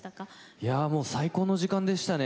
いやもう最高の時間でしたね。